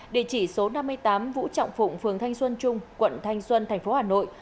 địa chỉ số năm mươi tám vũ trọng phụng phường thanh xuân trung quận thanh xuân thành phố hà nội